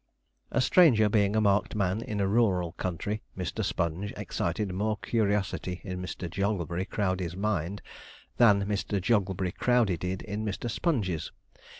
A stranger being a marked man in a rural country, Mr. Sponge excited more curiosity in Mr. Jogglebury Crowdey's mind than Mr. Jogglebury Crowdey did in Mr. Sponge's.